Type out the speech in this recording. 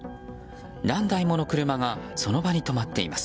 何台もの車がその場に止まっています。